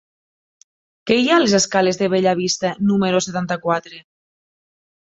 Què hi ha a les escales de Bellavista número setanta-quatre?